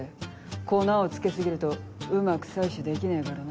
粉をつけ過ぎるとうまく採取できねえからな。